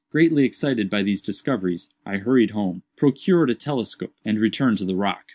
Greatly excited by these discoveries, I hurried home, procured a telescope, and returned to the rock.